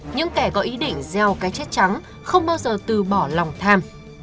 những kẻ có ý định gieo cái chết trắng không bao giờ từ bỏ lòng tham